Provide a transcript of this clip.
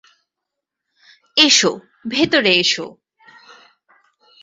এসো, ভেতরে এসো।